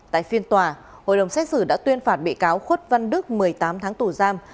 tại phiên tòa hội đồng xét xử đã tuyên phạt bị cáo khuất văn đức một mươi tám tháng tù giam